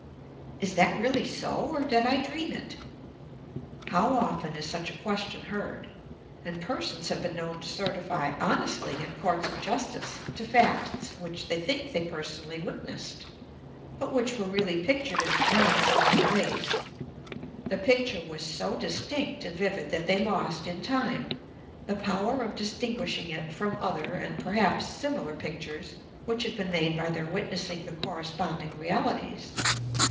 "Is that really so, or did I dream it?" How often is such a question heard. And persons have been known to certify honestly, in courts of justice, to facts which they think they personally witnessed, but which were really pictured in their minds in other ways. The picture was so distinct and vivid that they lost, in time, the power of distinguishing it from other and, perhaps, similar pictures which had been made by their witnessing the corresponding realities.